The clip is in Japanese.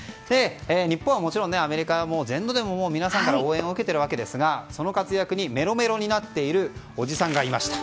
日本はもちろんアメリカ全土でも皆さんから応援を受けているわけですがその活躍にメロメロになっているおじさんがいました。